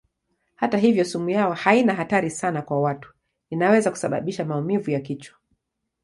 Hata hivyo sumu yao haina hatari sana kwa watu; inaweza kusababisha maumivu ya kichwa.